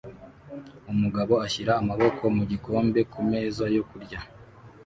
Umugabo ashyira amaboko mu gikombe kumeza yo kurya